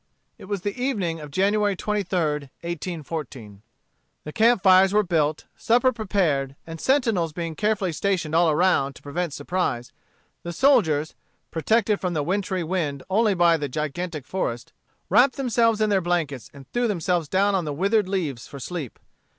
It was the evening of January 23d, 1814. The camp fires were built, supper prepared, and sentinels being carefully stationed all around to prevent surprise, the soldiers, protected from the wintry wind only by the gigantic forest, wrapped themselves in their blankets and threw themselves down on the withered leaves for sleep.